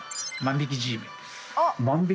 万引きＧメン？